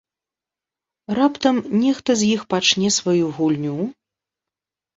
Раптам нехта з іх пачне сваю гульню?